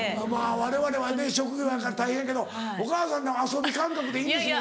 われわれは職業やから大変やけどお母さんは遊び感覚でいいんですもんね。